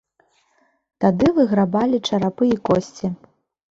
Тады выграбалі чарапы і косці.